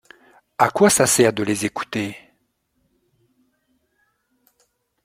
À quoi ça sert de les écouter ?